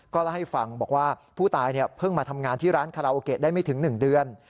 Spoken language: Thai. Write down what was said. เล่าให้ฟังบอกว่าผู้ตายเพิ่งมาทำงานที่ร้านคาราโอเกะได้ไม่ถึง๑เดือน